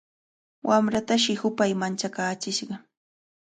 Wamratashi hupay manchakaachishqa.